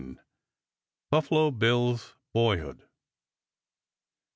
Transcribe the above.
BUFFALO BILL'S BOYHOOD.